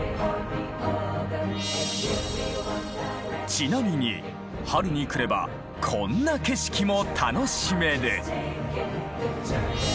ちなみに春に来ればこんな景色も楽しめる。